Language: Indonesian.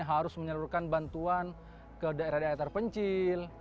harus menyalurkan bantuan ke daerah daerah terpencil